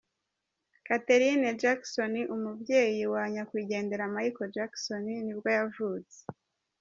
Katherine Jackson, umubyeyi wa nyakwigenderaMichael Jackson nibwo yavutse.